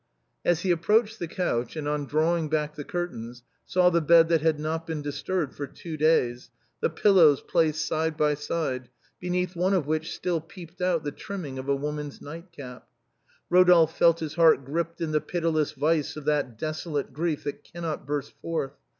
As he approached the couch, and on drawing back the curtains saw the bod that had not been disturbed for two days, the two pillows placed side by side, beneath one of which still peeped out the trimming of a woman's night cap, Eodolphe felt his heart gripped in the pitiless vice oi that desolate grief that cannot burst forth.